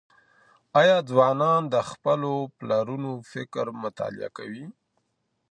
آيا ځوانان د خپلو پلرونو فکر مطالعه کوي؟